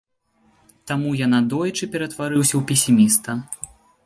Таму я надоечы ператварыўся ў песіміста.